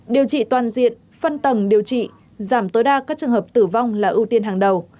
điều trị toàn diện phân tầng điều trị giảm tối đa các trường hợp tử vong là ưu tiên hàng đầu